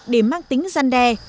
để mang tính gian đe